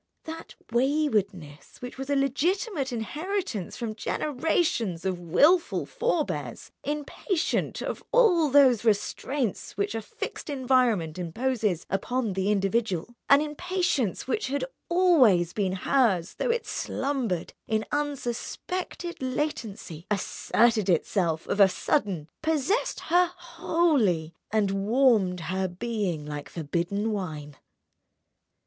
That waywardness which was a legitimate inheritance from generations of wilful forebears, impatient of all those restraints which a fixed environment imposes upon the individual, an impatience which had always been hers though it slumbered in unsuspected latency, asserted itself of a sudden, possessed her wholly, and warmed, her being like forbidden wine.